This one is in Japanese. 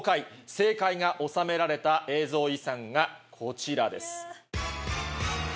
正解がおさめられた映像遺産がこちらです。